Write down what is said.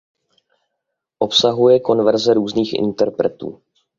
Obsahuje coververze různých interpretů.